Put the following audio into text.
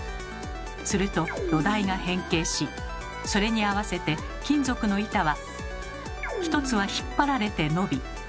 すると土台が変形しそれに合わせて金属の板は一つは引っ張られて伸び